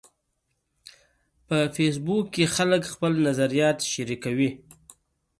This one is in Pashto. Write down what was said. په فېسبوک کې خلک خپل نظریات شریکوي